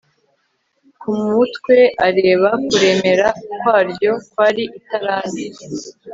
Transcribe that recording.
ku mutwe areba kuremera kwaryo kwari italanto